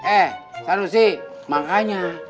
eh sanusi makanya